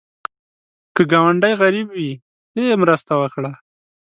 که ګاونډی غریب وي، ته یې مرسته وکړه